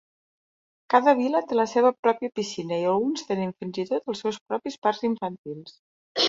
Cada vil·la té la seva pròpia piscina i alguns tenen fins i tot els seus propis parcs infantils.